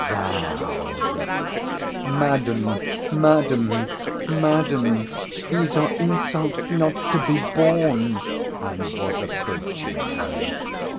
—Thou, that'—— Madam, Madam, Madam—these are insults not to be borne—and was approaching her.